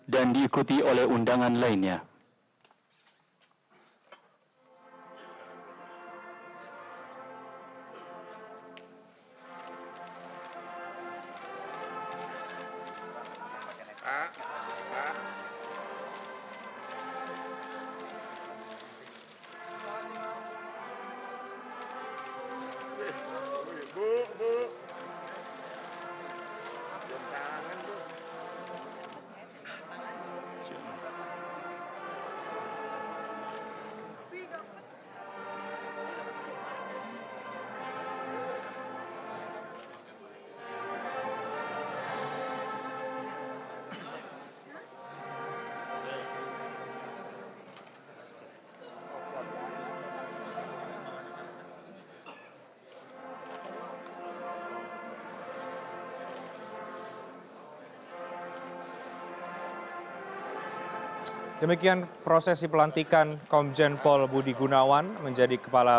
dimohon kembali ke tempat semula